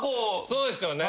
そうですよね。